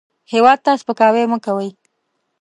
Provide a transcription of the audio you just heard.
هېواد ته سپکاوی مه کوئ